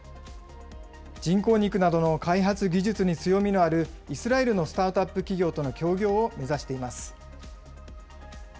人工肉などの開発技術に強みのあるイスラエルのスタートアップ企業との協業を目指しています。